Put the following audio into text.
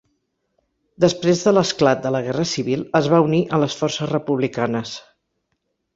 Després de l'esclat de la Guerra civil es va unir a les forces republicanes.